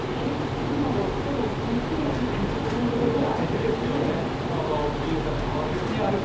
なんだろうでもゆっくり歩く？